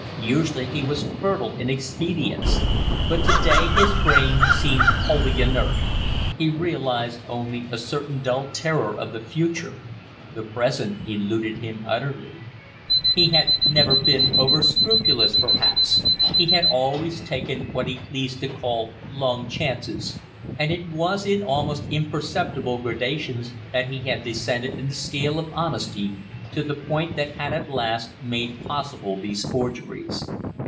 Usually he was fertile in expedients, but to day his brain seemed wholly inert. He realized only a certain dull terror of the future; the present eluded him utterly. He had never been over scrupulous perhaps, he had always taken what he pleased to call long chances, and it was in almost imperceptible gradations that he had descended in the scale of honesty to the point that had at last made possible these forgeries.